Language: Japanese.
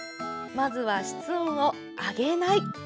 まずは、室温を上げない。